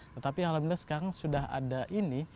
tetapi alhamdulillah sekarang sudah ada ini